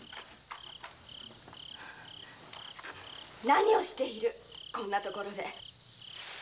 何をしているこんな所で。